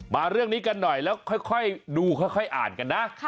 มาเรื่องนี้กันหน่อยแล้วค่อยดูค่อยอ่านกันนะ